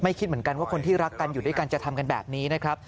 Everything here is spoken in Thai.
คิดเหมือนกันว่าคนที่รักกันอยู่ด้วยกันจะทำกันแบบนี้นะครับ